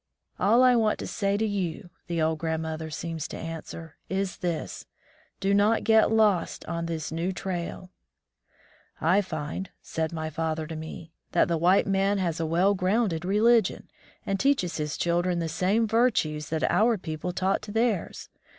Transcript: "All I want to say to you," the old grand mother seems to answer, "is this: Do not get lost on this new trail." "I find," said my father to me, "that the white man has a well grounded religion, and teaches his children the same virtues that our people taught to theirs.